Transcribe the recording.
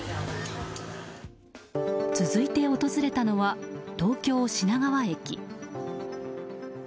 続いて訪れたのは東京・品川駅。